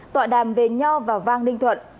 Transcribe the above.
tọa đàm về nho và vang ninh thuận